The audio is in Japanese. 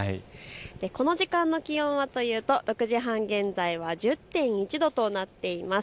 この時間の気温は６時半現在は１０．１度となっています。